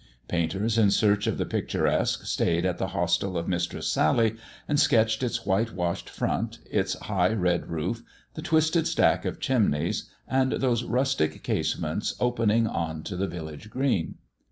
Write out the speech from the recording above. Painters in search of the picturesque stayed at the hostel of Mistress Sally, and sketched its white washed front, its high red roof, the twisted stack of chimneys, and those rustic case ments opening on to the village green.